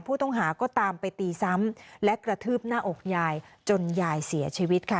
ผู้ต้องหาก็ตามไปตีซ้ำและกระทืบหน้าอกยายจนยายเสียชีวิตค่ะ